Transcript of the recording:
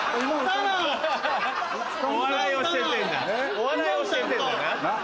お笑い教えてんだ。